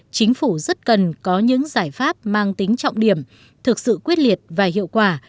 chính phủ rất cần có những giải pháp mang tính trọng điểm thực sự quyết liệt và hiệu quả